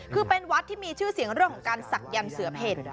คือเป็นวัดที่มีชื่อเสียงเรื่องของการศักดิ์เสือเพล